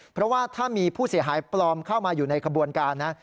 เพราะว่าถ้ามีผู้เสียหายปลอมเข้ามาอยู่ในขบวนการนะ